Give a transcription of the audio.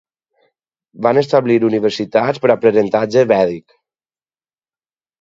Van establir universitats per aprenentatge vèdic.